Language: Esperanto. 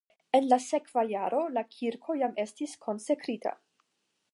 En la sekva jaro la kirko jam estis konsekrita.